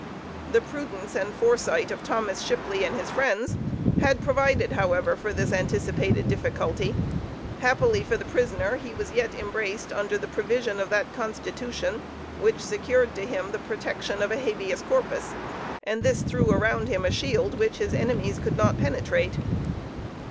The prudence and foresight of Thomas Shipley and his friends had provided, however, for this anticipated difficulty. Happily for the prisoner, he was yet embraced under the provision of that constitution, which secured to him the protection of a habeas corpus, and this threw around him a shield which his enemies could not penetrate.